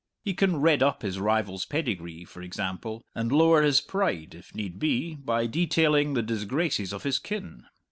He can redd up his rival's pedigree, for example, and lower his pride (if need be) by detailing the disgraces of his kin.